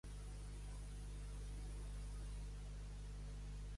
Com bufen els d'Aragó!